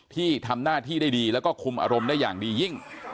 ที่ทำหน้าที่ได้ดีแล้วก็คุมอารมณ์ได้อย่างดียิ่ง